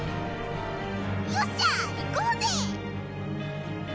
よっしゃ行こうぜ。